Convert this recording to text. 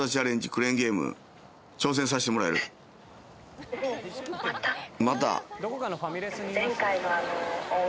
クレーンゲーム挑戦さしてもらえるまた？